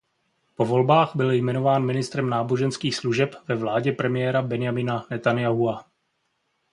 Po volbách byl jmenován ministrem náboženských služeb ve vládě premiéra Benjamina Netanjahua.